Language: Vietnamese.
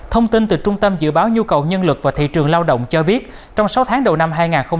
thông tin từ trung tâm dự báo nhu cầu nhân lực và thị trường lao động cho biết trong sáu tháng đầu năm hai nghìn hai mươi bốn